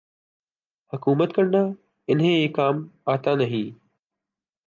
حکومت کرنا انہیں یہ کام آتا نہیں۔